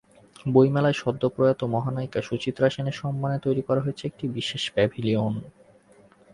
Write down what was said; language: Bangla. বইমেলায় সদ্য প্রয়াত মহানায়িকা সুচিত্রা সেনের সম্মানে তৈরি করা হয়েছে একটি বিশেষ প্যাভিলিয়ন।